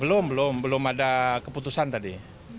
belum belum belum ada keputusan tadi